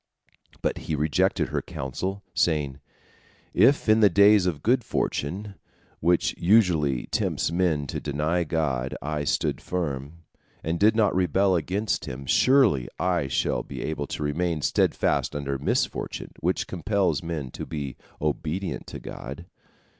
But he rejected her counsel, saying, "If in the days of good fortune, which usually tempts men to deny God, I stood firm, and did not rebel against Him, surely I shall be able to remain steadfast under misfortune, which compels men to be obedient to God."